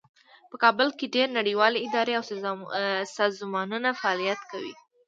په کابل کې ډیرې نړیوالې ادارې او سازمانونه فعالیت کوي